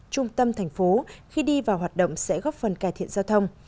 trung tâm thành phố khi đi vào hoạt động sẽ góp phần cải thiện giao thông